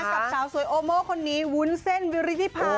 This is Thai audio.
กับสาวสวยโอโม่คนนี้วุ้นเส้นวิริธิพา